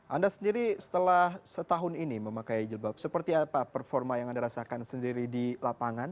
anda sendiri setelah setahun ini memakai jilbab seperti apa performa yang anda rasakan sendiri di lapangan